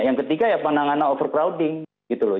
yang ketiga ya penanganan overcrowding gitu loh